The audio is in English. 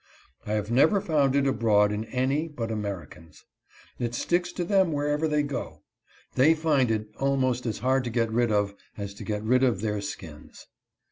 I have never found it abroad in any but Americans. It sticks to them wherever they go. They find it almost as hard to get rid of as to get rid of their skins.